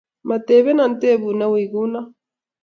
Metebena tebut newiy kuno?